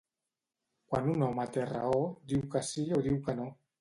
Quan un home té raó diu que sí o diu que no.